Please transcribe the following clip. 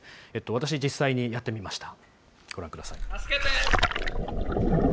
私、実際にやってみました。